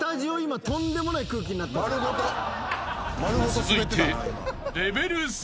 ［続いて］